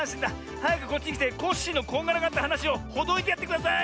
はやくこっちきてコッシーのこんがらがったはなしをほどいてやってください！